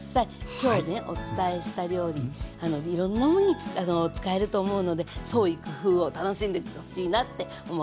今日ねお伝えした料理いろんなものに使えると思うので創意工夫を楽しんでほしいなって思っています。